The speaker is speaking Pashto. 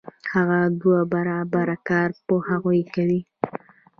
هغه دوه برابره کار په هغوی کوي